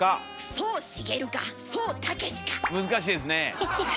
難しいですねえ！